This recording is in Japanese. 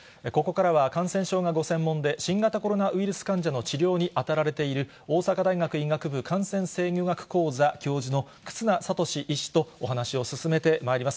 ここからは感染症がご専門で新型コロナウイルス患者の治療に当たられている大阪大学医学部感染制御学講座教授の忽那賢志医師とお話を進めてまいります。